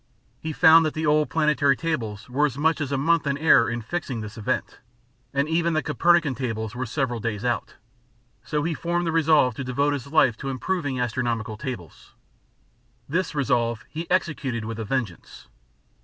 He found that the old planetary tables were as much as a month in error in fixing this event, and even the Copernican tables were several days out; so he formed the resolve to devote his life to improving astronomical tables. This resolve he executed with a vengeance.